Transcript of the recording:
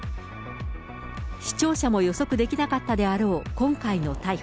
視聴者も予測できなかったであろう今回の逮捕。